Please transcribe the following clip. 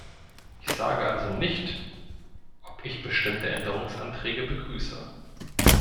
Ich sage also nicht, ob ich bestimmte Änderungsanträge begrüße.